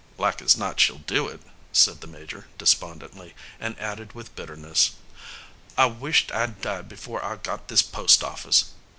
"Like as not she'll do it," said the Major, despondently, and added with bitterness, "I wisht I'd died before I got this post office!